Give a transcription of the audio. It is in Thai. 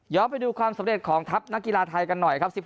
ไปดูความสำเร็จของทัพนักกีฬาไทยกันหน่อยครับ